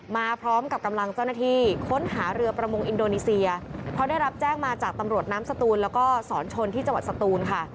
มาพร้อมกับกำลังเจ้าหน้าที่ค้นหาเรือประมงอินโดนีเซียเพราะได้รับแจ้งมาจากตำรวจน้ำสตูนแล้วก็สอนชนที่จังหวัดสตูนค่ะ